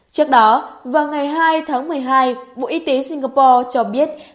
trước đó vào ngày hai tháng một mươi hai bộ y tế singapore cho biết